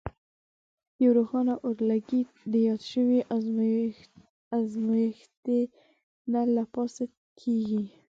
یو روښانه اورلګیت د یاد شوي ازمیښتي نل له پاسه کیږدئ.